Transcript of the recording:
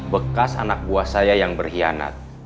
bekas anak buah saya yang berkhianat